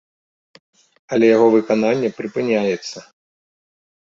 Але яго выкананне прыпыняецца.